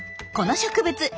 この植物